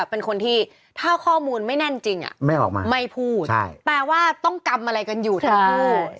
เป็นคนที่ถ้าข้อมูลไม่แน่นจริงไม่พูดแปลว่าต้องกำอะไรกันอยู่ทั้งคู่